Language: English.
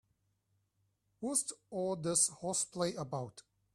What's all this horseplay about?